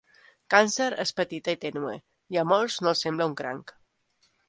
Càncer és petita i tènue, i a molts no els sembla un cranc.